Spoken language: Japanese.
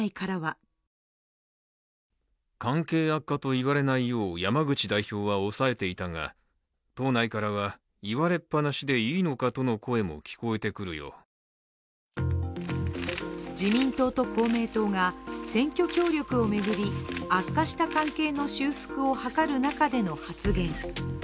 今日、山口代表は公明党内からは自民党と公明党が選挙協力を巡り悪化した関係の修復をはかる中での発言。